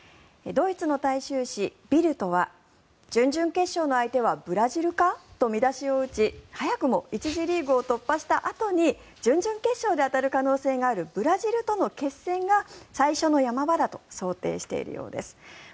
ドイツの大衆紙ビルトは準々決勝の相手はブラジルか？と見出しを打ち、早くも１次リーグを突破したあとに準々決勝で当たる可能性があるブラジルとの決戦が最初の山場だと想定しているようです。